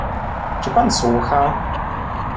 Czy pan słucha?